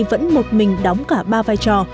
vẫn một mình đóng cả ba vai trò